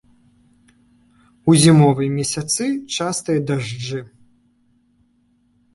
У зімовыя месяцы частыя дажджы.